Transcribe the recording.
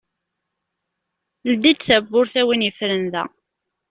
ldi-d tawwurt a win yefren da.